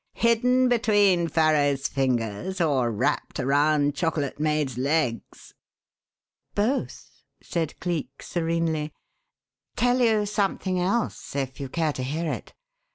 Hidden between Farrow's fingers or wrapped around Chocolate Maid's legs?" "Both," said Cleek serenely. "Tell you something else if you care to hear it.